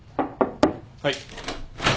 はい。